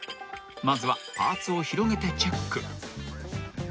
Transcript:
［まずはパーツを広げてチェック］